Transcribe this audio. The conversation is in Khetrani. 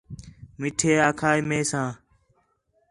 مٹھے آکھا ہے مئے ساں